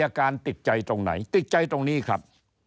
อาการติดใจตรงไหนติดใจตรงนี้ครับ